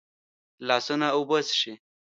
لاسونه اوبه څښي